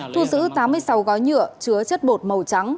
thu giữ tám mươi sáu gói nhựa chứa chất bột màu trắng